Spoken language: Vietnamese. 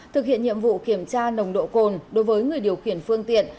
thực hiện nhiệm vụ kiểm tra nồng độ cồn đối với người điều khiển phương tiện